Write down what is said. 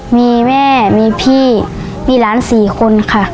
มีแม่มีพี่มีหลาน๔คนค่ะ